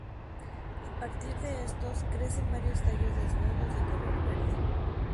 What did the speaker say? A partir de estos crecen varios tallos desnudos de color verde.